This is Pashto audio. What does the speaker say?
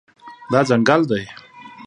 دا ځنګل دی